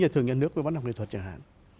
giải thưởng nhân nước về văn học nghệ thuật chẳng hạn